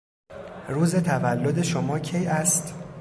روز تولد شما کی است؟